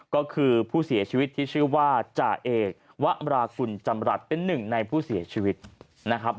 ก็คือผู้เสียชีวิตที่ชื่อว่าจ่าเอกวะมรากุลจำรัฐเป็นหนึ่งในผู้เสียชีวิตนะครับ